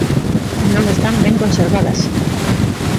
Non están ben conservadas.